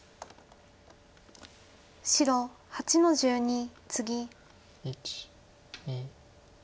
白８の十二ツギ。